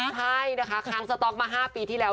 ใช่นะคะค้างสต๊อกมา๕ปีที่แล้ว